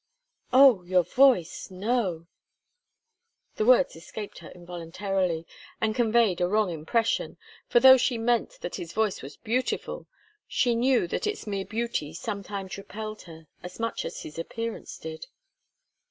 "Oh your voice no!" The words escaped her involuntarily, and conveyed a wrong impression; for though she meant that his voice was beautiful, she knew that its mere beauty sometimes repelled her as much as his appearance did.